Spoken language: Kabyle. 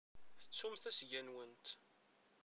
Tettumt asga-nwent.